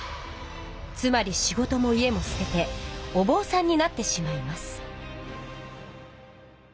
つまりしごとも家もすててお坊さんになってしまいます。